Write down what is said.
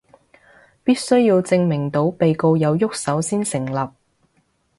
必須要證明到被告有郁手先成立